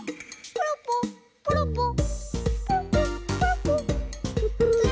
ポロポロポロポロ。